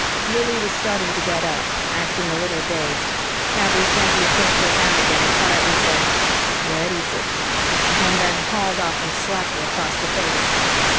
Lili was starting to get up, acting a little dazed. Kaby gently pushed her down again and quietly said, "Where is it?" and then hauled off and slapped her across the face.